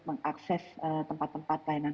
mengakses tempat tempat pelayanan